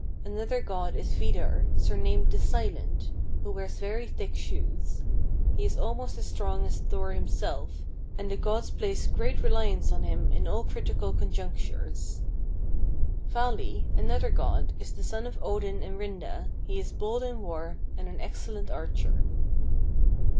30. "Another god is Vidar, surnamed the Silent, who wears very thick shoes. He is almost as strong as Thor himself, and the gods place great reliance on him in all critical conjunctures. 31. "Vali, another god, is the son of Odin and Rinda, he is bold in war, and an excellent archer.